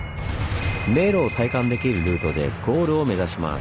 迷路を体感できるルートでゴールを目指します。